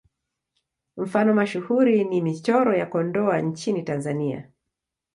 Mfano mashuhuri ni Michoro ya Kondoa nchini Tanzania.